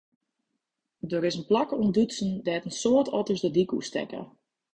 Der is in plak ûntdutsen dêr't in soad otters de dyk oerstekke.